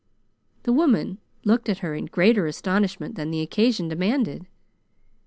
The woman looked at her in greater astonishment than the occasion demanded.